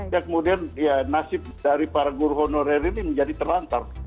ya kemudian ya nasib dari para guru honorer ini menjadi terlantar